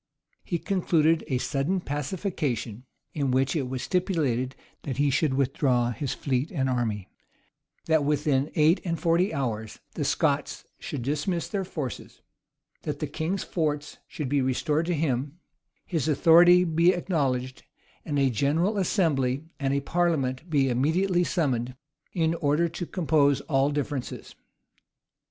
He concluded a sudden pacification, in which it was stipulated, that he should withdraw his fleet and army; that within eight and forty hours the Scots should dismiss their forces; that the king's forts should be restored to him; his authority be acknowledged; and a general assembly and a parliament be immediately summoned, in order to compose all differences.